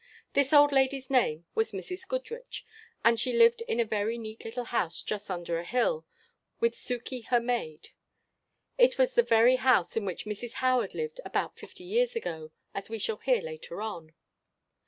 This old lady's name was Mrs. Goodriche, and she lived in a very neat little house just under a hill, with Sukey her maid. It was the very house in which Mrs. Howard lived about fifty years ago, as we shall hear later on.